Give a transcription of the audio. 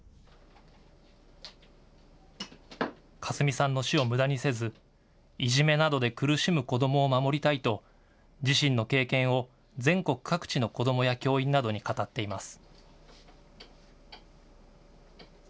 香澄さんの死をむだにせずいじめなどで苦しむ子どもを守りたいと、自身の経験を全国各地の子どもや教員などに語っています。